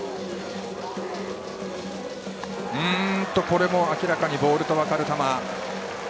これも明らかにボールと分かる球。